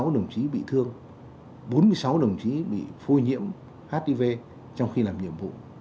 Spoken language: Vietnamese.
chín mươi sáu đồng chí bị thương bốn mươi sáu đồng chí bị phô nhiễm hiv trong khi làm nhiệm vụ